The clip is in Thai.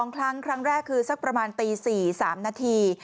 ๒ครั้งครั้งแรกคือสักประมาณตี๔๓นาที